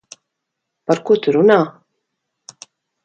Par ko tu runā?